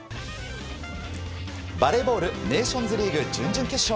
バレーボールネーションズリーグ準々決勝。